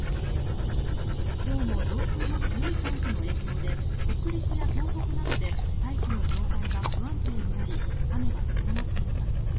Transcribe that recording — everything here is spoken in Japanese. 今日も上空の強い寒気の影響で北陸や東北などで大気の状態が不安定になり雨が強まっています。